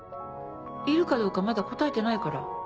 いるかどうかまだ答えてないから。